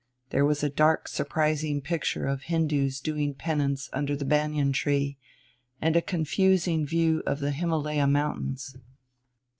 There was a dark surprising picture of Hindoos doing Penance under the Banyan tree, and a confusing view of the Himaleh Mountains.